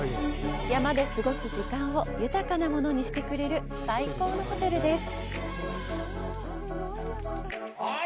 山で過ごす時間を豊かなものにしてくれる最高のホテルです。